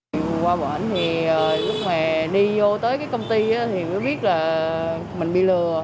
vì vừa qua bỏ ảnh thì lúc này đi vô tới cái công ty thì mới biết là mình bị lừa